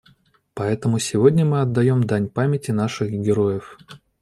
Поэтому сегодня мы отдаем дань памяти наших героев.